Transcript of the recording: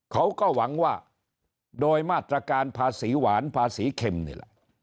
เขาก็หวังว่าโดยมาตรการภาษีหวานภาษีเข็มนี่แหละ